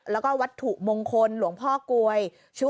แล้วก็วัตถุมงคลหลวงพ่อกลวย